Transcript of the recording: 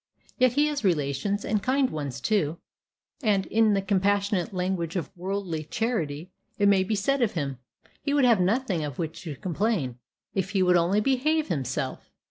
Yet he has relations, and kind ones too; and, in the compassionate language of worldly charity, it may be said of him, "He would have nothing of which to complain, if he would only behave himself."